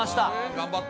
頑張った。